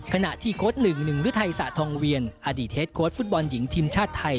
ขณะที่โค้ดหนึ่งหนึ่งฤทัยสะทองเวียนอดีตเฮดโค้ดฟุตบอลหญิงทีมชาติไทย